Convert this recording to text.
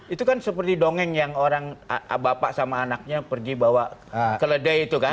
itu kan seperti dongeng yang orang bapak sama anaknya pergi bawa keledai itu kan